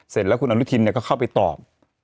เสร็จแล้วคุณอนุทินก็เข้าไปตอบ